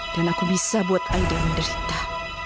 dan aku bisa buat aida menderita